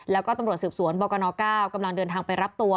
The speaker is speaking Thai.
แล้วก็ตำรวจสืบสวนบกน๙กำลังเดินทางไปรับตัว